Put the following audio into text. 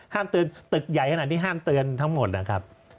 เตือนตึกใหญ่ขนาดนี้ห้ามเตือนทั้งหมดนะครับ